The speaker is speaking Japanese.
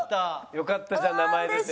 よかったじゃん名前出て。